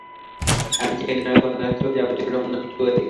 আমি চাই না ওরা ঘটনাস্থলের যাবতীয় প্রমাণ নষ্ট করে দিক।